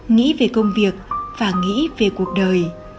nghĩ về công việc và nghĩ về cuộc đời